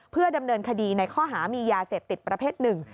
เพื่อดำเนินคดีในข้อหามียาเสพติดประเภทหนึ่ง